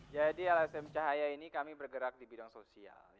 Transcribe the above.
jadi lsm cahaya ini kami bergerak di bidang sosial